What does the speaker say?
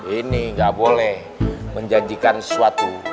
ini gak boleh menjanjikan sesuatu